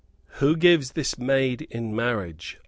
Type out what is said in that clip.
"Who gives this maid in marriage?"